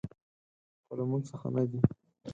خو له موږ څخه نه دي .